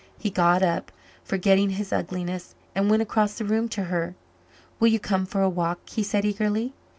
He got up, forgetting his ugliness, and went across the room to her. "Will you come for a walk," he said eagerly.